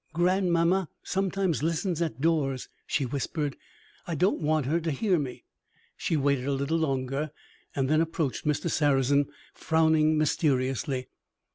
"Grandmamma sometimes listens at doors," she whispered; "I don't want her to hear me." She waited a little longer, and then approached Mr. Sarrazin, frowning mysteriously.